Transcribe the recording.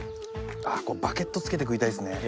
バケットつけて食いたいですね。